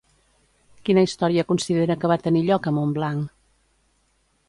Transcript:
Quina història considera que va tenir lloc a Montblanc?